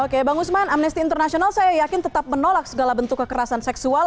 oke bang usman amnesty international saya yakin tetap menolak segala bentuk kekerasan seksual